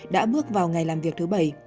đã bước vào ngày làm việc thứ bảy